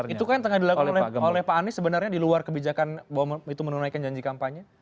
itu kan dilakukan oleh pak anies sebenarnya di luar kebijakan menunaikan janji kampanye